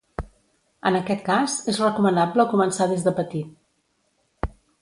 En aquest cas, és recomanable començar des de petit.